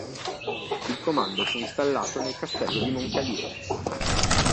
Il comando fu installato nel castello di Moncalieri.